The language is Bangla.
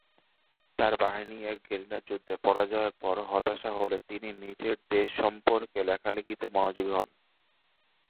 তার বাহিনী এক গেরিলা যুদ্ধে পরাজয়ের পর হতাশ হলে তিনি নিজের দেশ সম্পর্কে লেখালেখিতে মনোযোগী হন।